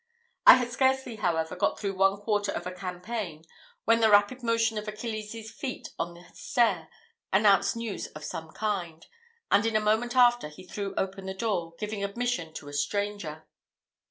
I had scarcely, however, got through one quarter of a campaign, when the rapid motion of Achilles' feet on the stairs announced news of some kind, and in a moment after he threw open the door, giving admission to a stranger.